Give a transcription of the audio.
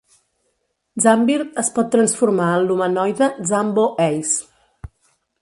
Zambird es pot transformar en l'humanoide Zambo Ace.